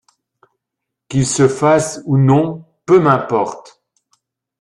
Qu'il se fasse ou non, peu m'importe.